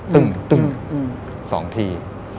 ตึ้งสองที